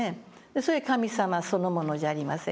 それは神様そのものじゃありませんか。